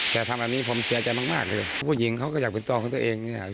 แต่ทำแบบนี้ผมเสียใจมากเลยผู้หญิงเขาก็อยากเป็นตัวของตัวเองเนี่ย